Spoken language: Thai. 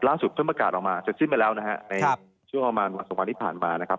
ล่าสุดเฟิร์นประกาศออกมาเสร็จสิ้นไปแล้วนะครับในช่วงประมาณ๒๓วันที่ผ่านมานะครับ